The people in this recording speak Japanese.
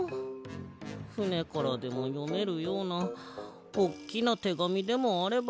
ふねからでもよめるようなおっきなてがみでもあればな。